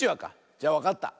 じゃわかった。